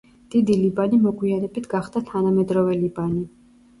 დიდი ლიბანი მოგვიანებით გახდა თანამედროვე ლიბანი.